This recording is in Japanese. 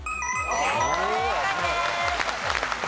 正解です。